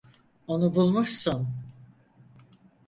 Onu bulmuşsun.